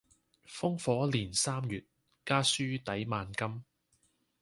烽火連三月，家書抵萬金。